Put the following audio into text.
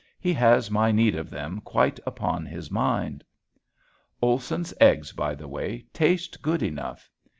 He has my need of them quite upon his mind. Olson's eggs, by the way, taste good enough.